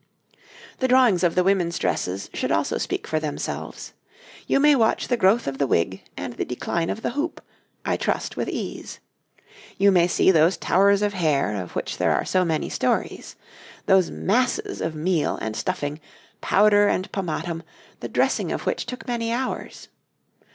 The drawings of the women's dresses should also speak for themselves. You may watch the growth of the wig and the decline of the hoop I trust with ease. You may see those towers of hair of which there are so many stories. Those masses of meal and stuffing, powder and pomatum, the dressing of which took many hours.